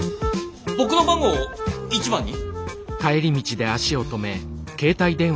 僕の番号を１番に？